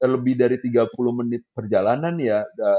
lebih dari tiga puluh menit perjalanan ya